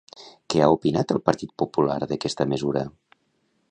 Què ha opinat el Partit Popular d'aquesta mesura?